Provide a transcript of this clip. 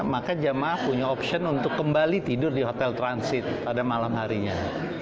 maka jemaah punya opsi untuk kembali tidur di hotel transit pada malam harinya